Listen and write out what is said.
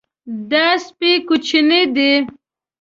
دا سپی کوچنی دی.